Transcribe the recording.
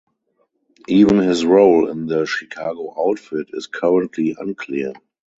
Even his role in the Chicago Outfit is currently unclear.